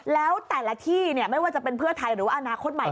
แล้วแต่ละที่ไม่ว่าจะเป็นเพื่อไทยหรือว่าอนาคตใหม่